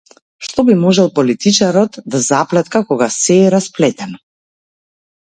Што би можел политичарот да заплетка кога сѐ е расплетено?